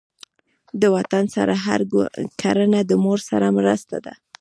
د وطن سره هر کړنه د مور سره مرسته ده.